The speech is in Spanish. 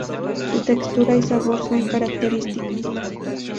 Su textura y sabor son características.